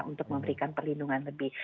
untuk memberikan perlindungan lebih